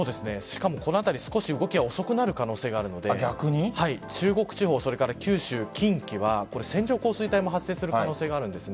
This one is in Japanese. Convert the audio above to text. しかもこの辺り少し動きが遅くなる可能性があるので中国地方それから九州、近畿は線状降水帯も発生する可能性があるんです。